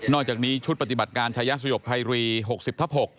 อกจากนี้ชุดปฏิบัติการชายสยบภัยรี๖๐ทับ๖